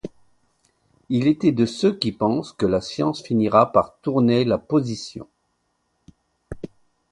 Il était de ceux qui pensent que la science finira par tourner la position.